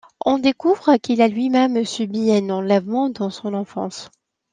On découvre qu'il a lui-même subi un enlèvement dans son enfance.